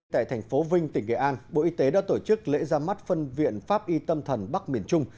tại thành phố vinh tỉnh nghệ an bộ y tế đã tổ chức lễ ra mắt phân viện pháp y tâm thần bắc miền trung